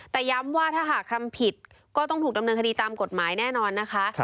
แต่ย้ำว่าถ้าหากทำผิดก็ต้องถูกดำเนินคดีตามกฎหมายแน่นอนนะคะ